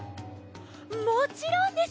もちろんです！